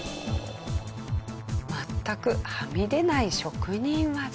全くはみ出ない職人技。